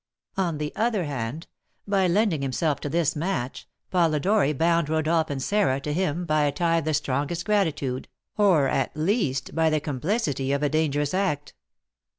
On the other hand, by lending himself to this match, Polidori bound Rodolph and Sarah to him by a tie of the strongest gratitude, or, at least, by the complicity of a dangerous act.